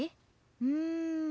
うん。